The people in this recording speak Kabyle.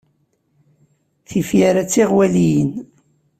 Tifyar-a d tiɣwaliyin.